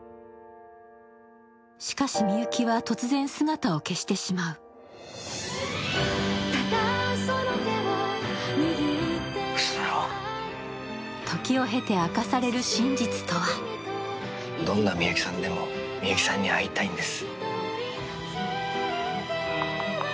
しかしみゆきは突然姿を消してしまう嘘だろ・どんなみゆきさんでもみゆきさんに会いたいんです・